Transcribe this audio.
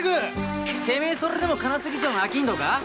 てめえそれでも金杉町の商人か？